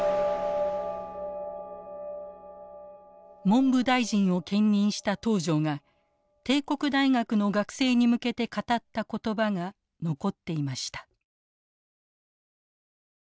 文部大臣を兼任した東條が帝国大学の学生に向けて語った言葉が残っていました。